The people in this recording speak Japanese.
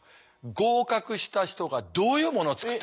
合格した人がどういうものを作ってんだ。